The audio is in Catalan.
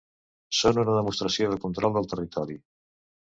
Són una demostració de control del territori.